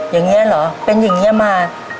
อย่างนี้เหรอเป็นอย่างนี้มา